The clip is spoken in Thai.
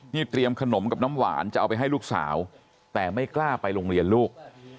นี่เตรียมขนมกับน้ำหวานจะเอาไปให้ลูกสาวแต่ไม่กล้าไปโรงเรียนลูก